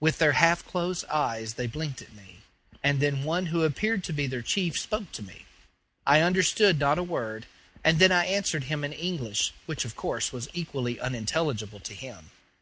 With their half closed eyes they blinked at me, and then one who appeared to be their chief spoke to me. I understood not a word; and then I answered him in English, which, of course, was equally unintelligible to him.